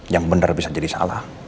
yang benar bisa jadi salah